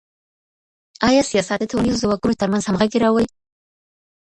ايا سياست د ټولنيزو ځواکونو ترمنځ همغږي راولي؟